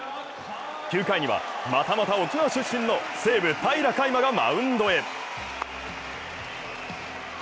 ９回にはまたまた沖縄出身の西武・平良海馬がマウンドへ。